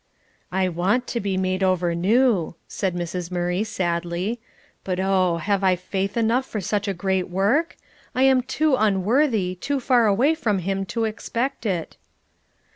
"I want to be made over new," said Mrs. Murray sadly, "but oh, have I faith enough for such a great work? I am too unworthy, too far away from Him to expect it."